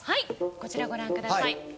こちらご覧ください。